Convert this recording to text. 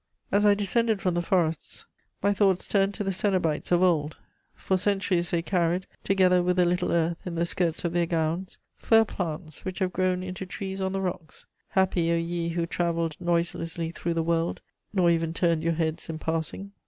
As I descended from the forests, my thoughts turned to the cenobites of old; for centuries, they carried, together with a little earth, in the skirts of their gowns, fir plants which have grown into trees on the rocks. Happy O ye who travelled noiselessly through the world, nor even turned your heads in passing!